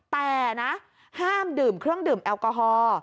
แต่นะห้ามดื่มเครื่องดื่มแอลกอฮอล์